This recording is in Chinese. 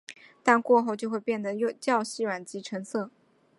但过后就会变得较细小及沉色。